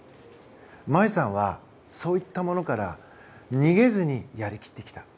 茉愛さんはそういったものから逃げずにやりきってきた。